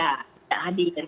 ya tidak hadir